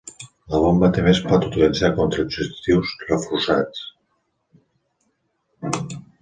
La bomba també es pot utilitzar contra objectius reforçats.